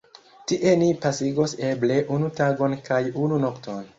Tie ni pasigos eble unu tagon kaj unu nokton.